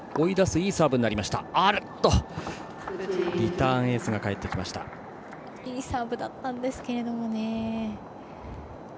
いいサーブだったんですけれどもね。